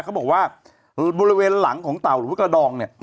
เขาบอกว่าบริเวณหลังของบระกระดองเนี่ย